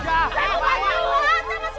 bawa aja sama suara